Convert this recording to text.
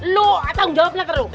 lo tanggung jawab lah karo